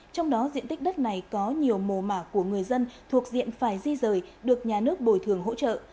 trong đó diện tích đất này có nhiều mồ mả của người dân thuộc diện phải di rời được nhà nước bồi thường hỗ trợ